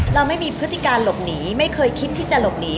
เราไม่มีพฤติการหลบหนีไม่เคยคิดที่จะหลบหนี